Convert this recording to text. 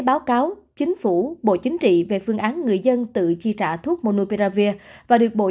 đã báo chính phủ bộ chính trị về phương án người dân tự chi trả thuốc monopiravir và được bộ